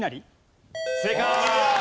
正解！